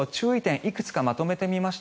いくつかまとめてみました。